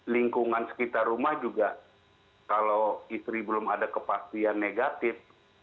lingkungan sekitar rumah juga kalau istri belum ada kepastian negatif